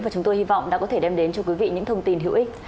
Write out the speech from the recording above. và chúng tôi hy vọng đã có thể đem đến cho quý vị những thông tin hữu ích